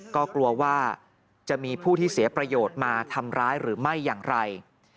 ก็กลัวว่าจะมีผู้ที่เสียประโยชน์มาทำร้ายหรือไม่อย่างไร